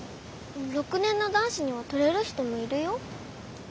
６年の男子には取れる人もいるよ。